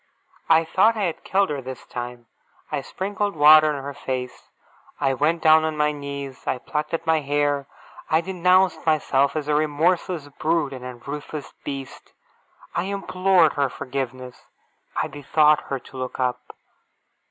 I thought I had killed her, this time. I sprinkled water on her face. I went down on my knees. I plucked at my hair. I denounced myself as a remorseless brute and a ruthless beast. I implored her forgiveness. I besought her to look up.